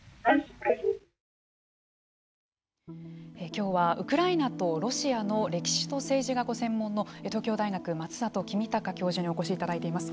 きょうはウクライナとロシアの歴史と政治がご専門の東京大学松里公孝教授にお越しいただいています。